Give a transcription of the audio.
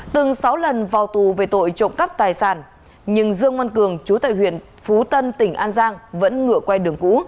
từng sáu lần vào tù về tội trộm cắp tài sản nhưng dương ngoan cường chú tại huyện phú tân tỉnh an giang vẫn ngựa quen đường cũ